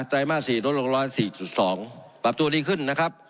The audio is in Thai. ใจมาตร๔ลดลงร้อย๔๒ปรับตัวดีขึ้นนะครับ